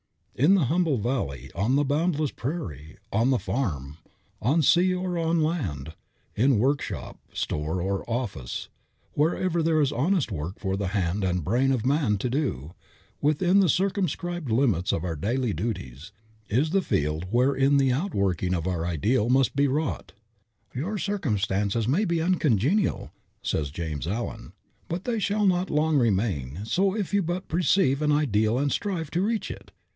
In the humble valley, on the boundless prairie, on the farm, on sea or on land, in workshop, store, or office, wherever there is honest work for the hand and brain of man to do, within the circumscribed limits of our daily duties, is the field wherein the outworking of our ideal must be wrought. "Your circumstances may be uncongenial," says James Allen, "but they shall not long remain so if you but perceive an Ideal and strive to reach it.